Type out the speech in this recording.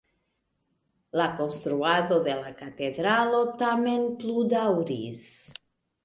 La konstruado de la katedralo tamen plue daŭris.